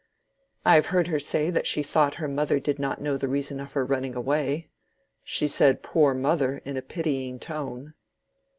"I have heard her say that she thought her mother did not know the reason of her running away. She said 'poor mother' in a pitying tone."